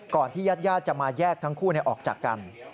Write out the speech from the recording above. ก่อนที่ญาติญาติจะมาแยกทั้งคู่น่ะออกจากกัน